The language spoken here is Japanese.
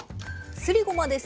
すりごまですね。